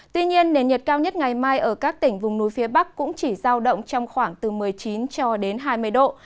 tuy nhiên nền nhiệt cao nhất ngày mai ở các tỉnh vùng núi phía bắc cũng chỉ giao động trong khoảng từ một mươi chín cho đến hai mươi độ